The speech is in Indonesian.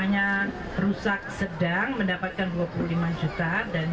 dan yang rusak ringan sepuluh juta